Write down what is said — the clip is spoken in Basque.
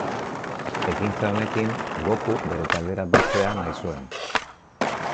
Ekintza honekin Goku bere taldera batzea nahi zuen.